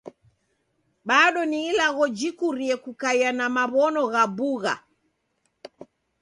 Bado ni ilagho jikurie kukaia na maw'ono gha bugha.